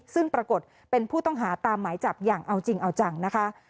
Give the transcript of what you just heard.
ซึ่งปรากฏเป็นผู้ต้องหาตามหมายจับอย่างเอาจริงเอาจังนะคะ